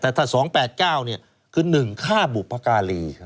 แต่ถ้าสองแปดเก้าเนี่ยคือหนึ่งฆ่าบุพการี